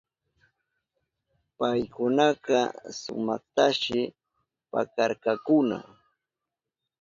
Paykunaka sumaktashi pakarkakuna.